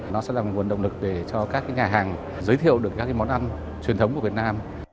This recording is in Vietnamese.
nó sẽ là một nguồn động lực để cho các cái nhà hàng giới thiệu được các cái món ăn truyền thống của việt nam